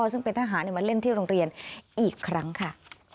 ซึ่งเป็นทหารมาเล่นที่โรงเรียนอีกครั้งค่ะ